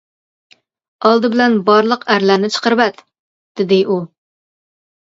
-ئالدى بىلەن بارلىق ئەرلەرنى چىقىرىۋەت، -دېدى ئۇ.